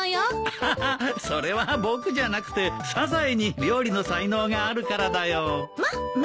アハハそれは僕じゃなくてサザエに料理の才能があるからだよ。